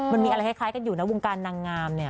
มันมีอะไรคล้ายกันอยู่นะวงการนางงามเนี่ย